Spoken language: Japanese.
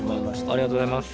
ありがとうございます。